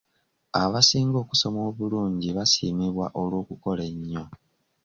Abasinga okusoma obulungi basiimibwa olw'okukola ennyo.